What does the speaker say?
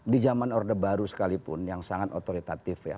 di zaman orde baru sekalipun yang sangat otoritatif ya